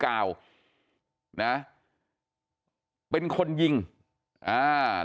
กาวนะเป็นคนยิงอ่า